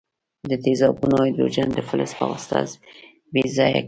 د تیزابونو هایدروجن د فلز په واسطه بې ځایه کیږي.